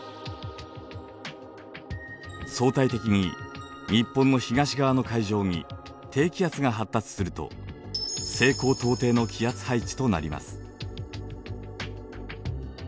相対的に日本の東側の海上に低気圧が発達すると西高東低の気圧配置となります。